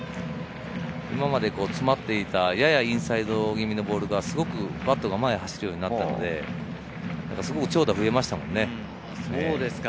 今まで詰まっていた、ややインサイド気味のボールがすごくバットが前に走るようになったので、すごく長打が増えましたよね。